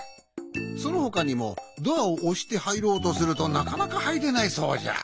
そのほかにもドアをおしてはいろうとするとなかなかはいれないそうじゃ。